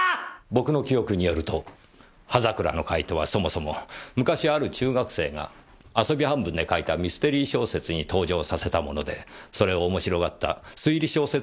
僕の記憶によると刃桜の会とはそもそも昔ある中学生が遊び半分で書いたミステリー小説に登場させたものでそれを面白がった推理小説